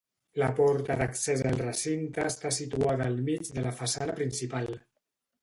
La porta d'accés al recinte està situada al mig de la façana principal.